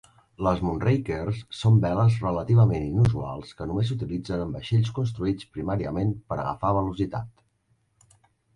Les Moonrakers són veles relativament inusuals que només s'utilitzen en vaixells construïts primàriament per agafar velocitat.